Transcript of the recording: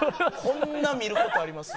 こんな見る事あります？